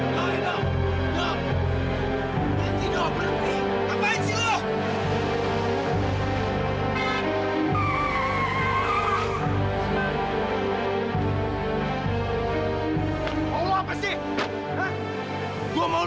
gue sekali udah gak mau ngamau lah